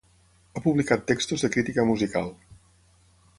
Ha publicat textos de crítica musical.